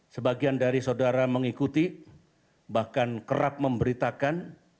sebagian dari saudara mengikuti bahkan kerap memberitakan